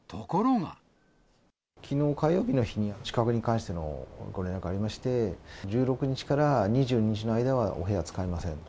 きのう火曜日の日に、宿泊に関してのご連絡がありまして、１６日から２２日の間は、お部屋は使いませんと。